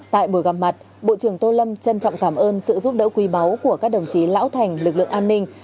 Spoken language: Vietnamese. tại buổi gặp mặt bộ trưởng tô lâm trân trọng cảm ơn sự giúp đỡ quý báu của các đồng chí lão thành lực lượng an ninh